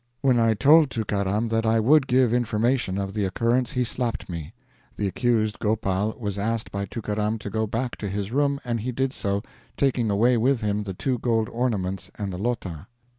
When I told Tookaram that I would give information of the occurrence, he slapped me. The accused Gopal was asked by Tookaram to go back to his room, and he did so, taking away with him the two gold ornaments and the 'lota'.